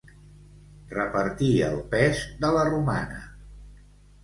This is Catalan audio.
Repartir el pes de la romana.